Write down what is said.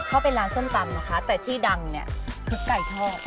เขาเป็นร้านส้มตำนะคะแต่ที่ดังเนี่ยพริกไก่ทอด